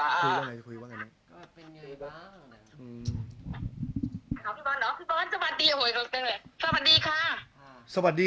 ค่ะสวัสดีครับสวัสดีสวัสดี